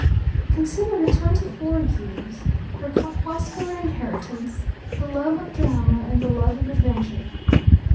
Consider her twenty four years, her corpuscular inheritance, the love of drama and the love of adventure.